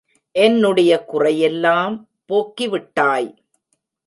என்னுடைய குறையையெல்லாம் போக்கிவிட்டாய்.